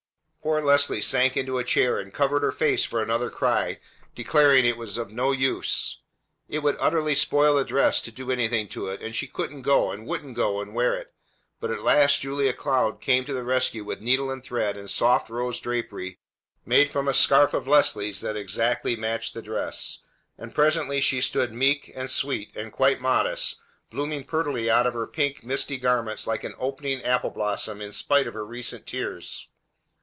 Poor Leslie sank into a chair, and covered her face for another cry, declaring it was no use, it would utterly spoil the dress to do anything to it, and she couldn't go, and wouldn't go and wear it; but at last Julia Cloud came to the rescue with needle and thread and soft rose drapery made from a scarf of Leslie's that exactly matched the dress; and presently she stood meek and sweet, and quite modest, blooming prettily out of her pink, misty garments like an opening apple blossom in spite of her recent tears.